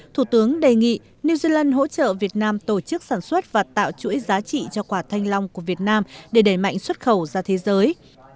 thủ tướng đề nghị new zealand hỗ trợ việt nam tổ chức sản xuất và tạo chuỗi giá trị cho quả thanh long của việt nam để đẩy mạnh xuất khẩu ra thế giới